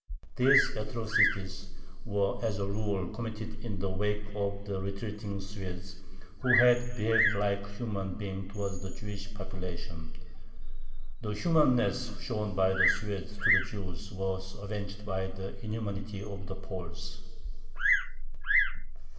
These atrocities were as a rule committed in the wake of the retreating Swedes, who had behaved like human beings towards the Jewish population. The humaneness shown by the Swedes to the Jews was avenged by the inhumanity of the Poles.